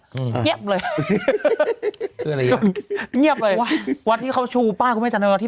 อืมเงี๊ยบเลยเงี๊ยบเลยวัดที่เขาชูป้ายคุณแม่จำนวัดที่